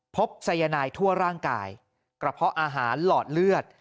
สายนายทั่วร่างกายกระเพาะอาหารหลอดเลือด